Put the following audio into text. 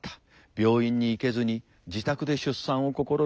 病院に行けずに自宅で出産を試みる。